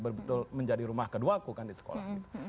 betul betul menjadi rumah kedua aku kan di sekolah